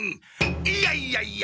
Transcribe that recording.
いやいやいや！